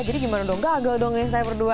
gimana dong gagal dong nih saya berdua